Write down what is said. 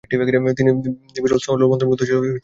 বিরল স্থলবন্দর মূলত ছিল রেল কেন্দ্রিক।